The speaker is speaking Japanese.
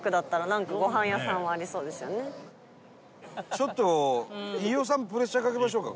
ちょっと飯尾さんプレッシャーかけましょうか？